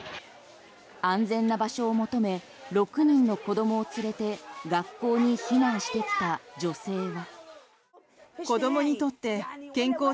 安全な場所を求め６人の子供を連れて学校に避難してきた女性は。